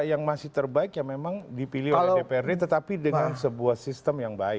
yang masih terbaik ya memang dipilih oleh dprd tetapi dengan sebuah sistem yang baik